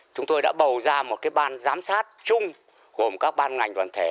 chúng tôi đã bầu ra một ban giám sát chung gồm các ban ngành đoàn thể